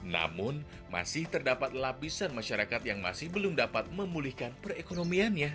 namun masih terdapat lapisan masyarakat yang masih belum dapat memulihkan perekonomiannya